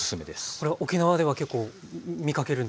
これは沖縄では結構見かけるんですか？